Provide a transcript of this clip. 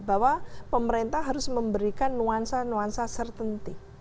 bahwa pemerintah harus memberikan nuansa nuansa certainty